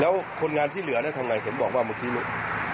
แล้วคนงานที่เหลือเนี่ยทำไงเห็นบอกว่าเมื่อกี้ลูก